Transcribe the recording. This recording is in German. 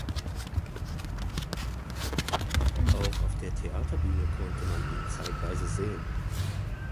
Auch auf der Theaterbühne konnte man ihn zeitweise sehen.